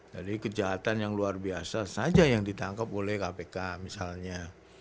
jadi kejahatan yang luar biasa saja yang ditangkap oleh kpk misalnya